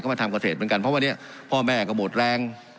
มาทำเกษตรเหมือนกันเพราะวันนี้พ่อแม่ก็หมดแรง